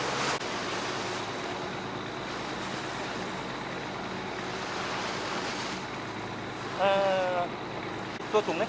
สวัสดีครับคุณผู้ชาย